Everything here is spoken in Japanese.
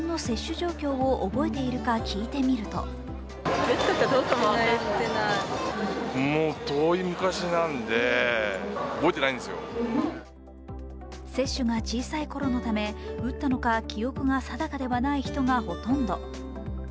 街の人に自分の接種状況を覚えているか聞いてみると接種が小さいころのため打ったのか記憶が定かではない人がほとんど。